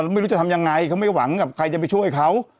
ไม่รู้จะทำยังไงเขาไม่หวังกับใครจะไปช่วยเขา